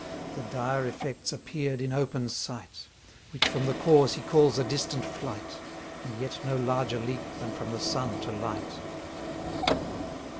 The dire effects appear'd in open sight, Which from the cause he calls a distant flight, And yet no larger leap than from the sun to light.